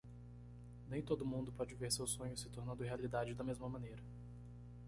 Nem todo mundo pode ver seus sonhos se tornando realidade da mesma maneira.